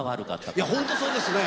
いやホントそうですね。